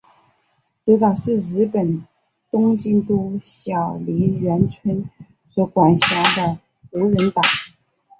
侄岛是日本东京都小笠原村所管辖的无人岛。